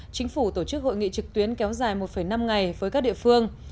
chính phủ tổ chức hội nghị trực tuyến kéo dài một năm ngày với các địa phương